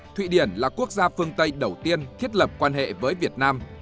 thụy điển là quốc gia phương tây đầu tiên thiết lập quan hệ với việt nam